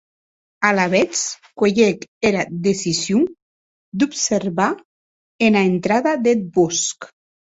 Alavetz cuelhec era decision d’observar ena entrada deth bòsc.